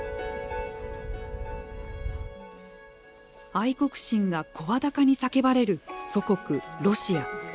愛国心が声高に叫ばれる祖国ロシア。